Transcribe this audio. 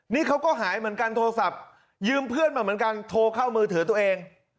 นี่เขาก็หายเหมือนกันโทรศัพท์ยืมเพื่อนมาเหมือนกันโทรเข้ามือถือตัวเอง